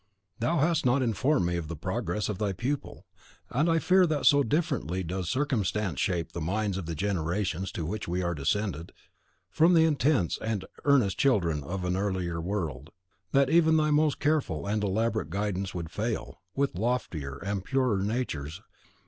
Thou hast not informed me of the progress of thy pupil; and I fear that so differently does circumstance shape the minds of the generations to which we are descended, from the intense and earnest children of the earlier world, that even thy most careful and elaborate guidance would fail, with loftier and purer natures than that of the neophyte thou hast admitted within thy gates.